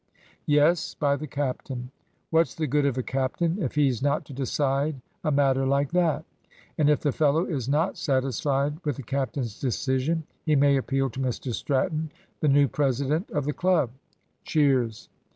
Yes, by the captain. What's the good of a captain if he's not to decide a matter like that? And if the fellow is not satisfied with the captain's decision, he may appeal to Mr Stratton, the new president of the club. (Cheers.)